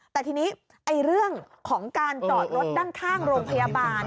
แต่ทีนี้เรื่องของการจอดรถด้านข้างโรงพยาบาล